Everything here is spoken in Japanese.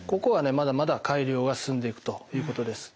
まだまだ改良は進んでいくということです。